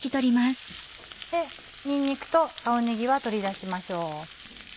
にんにくと青ねぎは取り出しましょう。